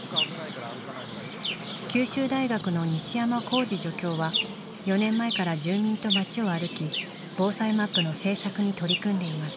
九州大学の西山浩司助教は４年前から住民と街を歩き防災マップの制作に取り組んでいます。